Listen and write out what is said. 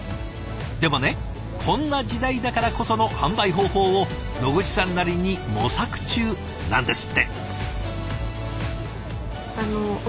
でもねこんな時代だからこその販売方法を野口さんなりに模索中なんですって。